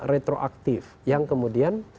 retroaktif yang kemudian